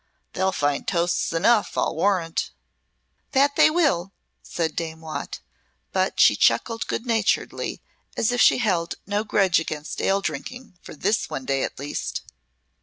They'll find toasts enough, I warrant." "That will they," said Dame Watt, but she chuckled good naturedly, as if she held no grudge against ale drinking for this one day at least.